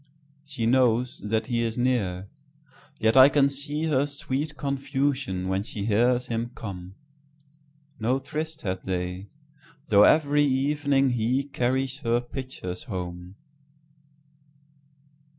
She knows that he is near, yet I can seeHer sweet confusion when she hears him come.No tryst had they, though every evening heCarries her pitchers home.